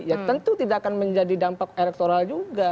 ya tentu tidak akan menjadi dampak elektoral juga